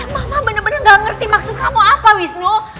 mama bener bener gak ngerti maksud kamu apa wisnu